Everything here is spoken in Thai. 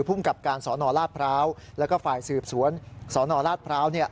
ภูมิกับการสนราชพร้าวแล้วก็ฝ่ายสืบสวนสนราชพร้าว